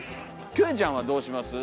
キョエちゃんはどうします？